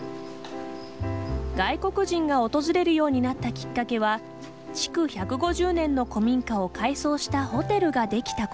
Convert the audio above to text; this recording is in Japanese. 外国人が訪れるようになったきっかけは築１５０年の古民家を改装したホテルが出来たこと。